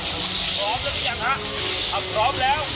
พร้อมแล้วไหมครับครับพร้อมแล้ว